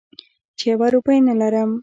چې یوه روپۍ نه لرم.